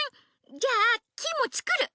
じゃあキイもつくる！